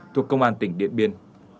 thuộc công an tỉnh điện biên